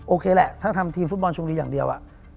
โอเคแหละถ้าทำทีมฟุตบอลชมบุรีอย่างเดียว